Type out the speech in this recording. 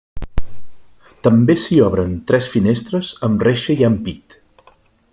També s'hi obren tres finestres amb reixa i ampit.